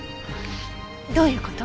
どういう事？